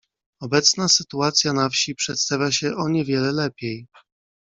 "Obecna sytuacja na wsi przedstawia się o niewiele lepiej."